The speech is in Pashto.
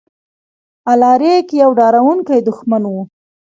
الاریک یو ډاروونکی دښمن و.